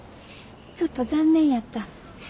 ちょっと残念やった。